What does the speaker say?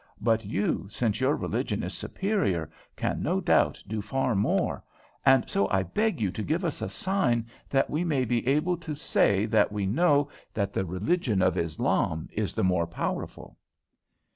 But you, since your religion is superior, can no doubt do far more, and so I beg you to give us a sign that we may be able to say that we know that the religion of Islam is the more powerful."